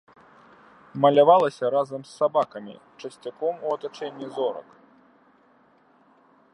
Малявалася разам з сабакамі, часцяком у атачэнні зорак.